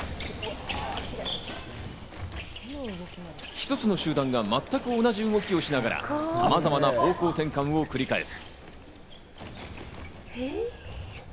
一つの集団が全く同じ動きをしながら、さまざまな方向転換を繰り返す。